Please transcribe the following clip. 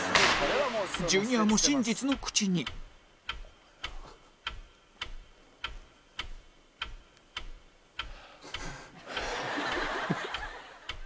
ジュニアも真実の口にはあ！